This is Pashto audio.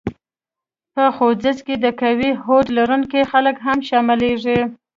په خوځښت کې د قوي هوډ لرونکي خلک هم شامليږي.